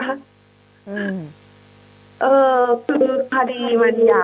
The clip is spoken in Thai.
แต่ปรากฏไม่คิด